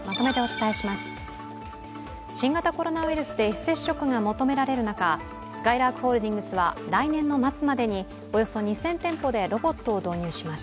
新型コロナウイルスで非接触が求められる中すかいらーくホールディングスは来年の末までにおよそ２０００店舗でロボットを導入します。